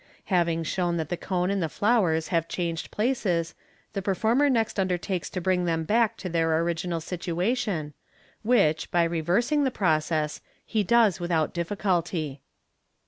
Having shown that the cone and the flowers have changed places, the per former next undertakes to bring them back to their original situation, which, by reversing the process, he does without difficulty.